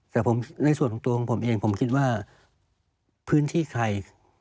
แต่ในส่วนของตัวของผมเองผมคิดว่าพื้นที่ใคร